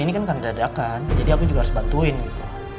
ini kan kandadakan jadi aku juga harus bantuin gitu